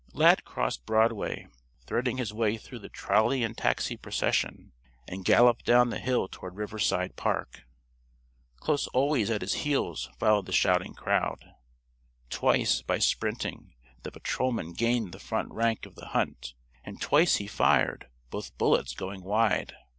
Lad crossed Broadway, threading his way through the trolley and taxi procession, and galloped down the hill toward Riverside Park. Close always at his heels followed the shouting crowd. Twice, by sprinting, the patrolman gained the front rank of the hunt, and twice he fired both bullets going wide.